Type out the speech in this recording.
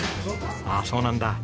ああそうなんだ。